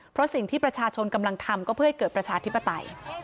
เพราะสิ่งที่ประชาชนกำลังทำก็เพื่อให้เกิดประชาธิปไตย